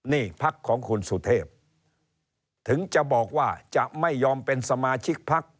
นี่พักของคุณสุเทพถึงจะบอกว่าจะไม่ยอมเป็นสมาชิกพัก